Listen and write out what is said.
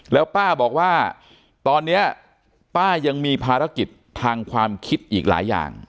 แล้วป้าบอกว่าตอนนี้ป้ายังมีภารกิจทางความคิดอีกหลายอย่าง